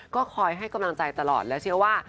ก็คอยให้กำลังใจตลอดและเชื่อว่า